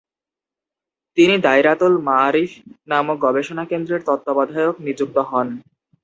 তিনি দাইরাতুল মাআরিফ নামক গবেষণা কেন্দ্রের তত্ত্বাবধায়ক নিযুক্ত হন।